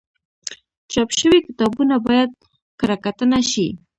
چاپ شوي کتابونه باید کره کتنه شي.